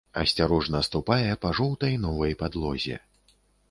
Асцярожна ступае па жоўтай новай падлозе.